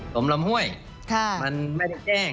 ลำห้วยมันไม่ได้แจ้ง